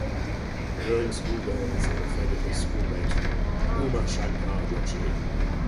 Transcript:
During school days, he befriended his schoolmate Umashankar Joshi.